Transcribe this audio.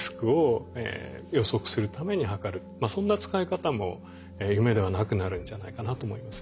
そんな使い方も夢ではなくなるんじゃないかなと思います。